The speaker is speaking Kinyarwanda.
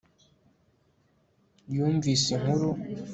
Yumvise inkuru